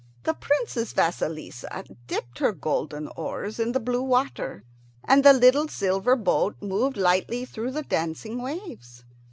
The Princess Vasilissa dipped her golden oars in the blue water, and the little silver boat moved lightly through the dancing waves.